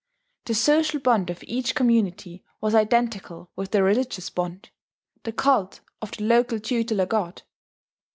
The social bond of each community was identical with the religious bond, the cult of the local tutelar god.